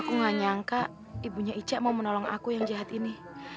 aku gak nyangka ibunya ica mau menolong aku yang jahat ini